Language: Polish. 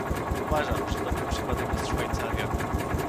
Uważam, że dobrym przykładem jest Szwajcaria